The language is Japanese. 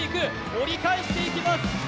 折り返していきます。